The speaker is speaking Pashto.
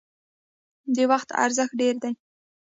د وخت ارزښت ډیر دی